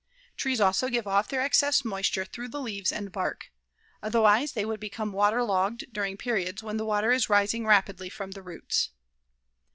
Trees also give off their excess moisture through the leaves and bark. Otherwise they would become waterlogged during periods when the water is rising rapidly from the roots.